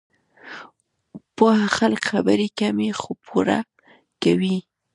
پوه خلک خبرې کمې، خو پوره کوي.